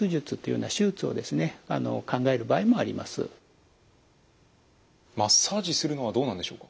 万一マッサージするのはどうなんでしょうか？